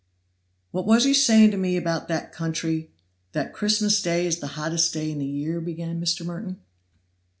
"What was you saying to me about that country that Christmas day is the hottest day in the year?" began Mr. Merton.